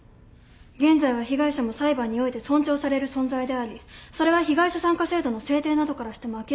現在は被害者も裁判において尊重される存在でありそれは被害者参加制度の制定などからしても明らかです。